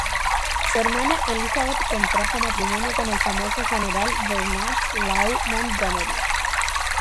Su hermana Elizabeth contrajo matrimonio con el famoso general Bernard Law Montgomery.